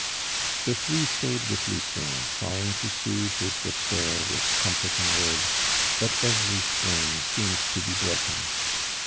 The three stayed with Lucien, trying to soothe his despair with comforting words; but every spring seemed to be broken.